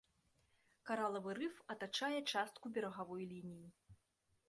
Каралавы рыф атачае частку берагавой лініі.